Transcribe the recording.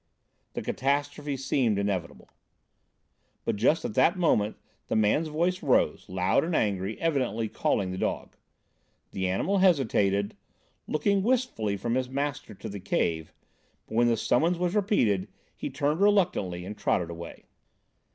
The catastrophe seemed inevitable. But just at that moment the man's voice rose, loud and angry, evidently calling the dog. The animal hesitated, looking wistfully from his master to the cave; but when the summons was repeated, he turned reluctantly and trotted away.